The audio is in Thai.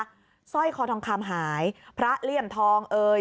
สร้อยคอทองคำหายพระเลี่ยมทองเอ่ย